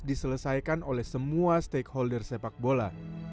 diselesaikan oleh semua stakeholder sepak bola